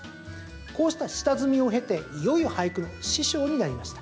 こうした下積みを経て、いよいよ俳句の師匠になりました。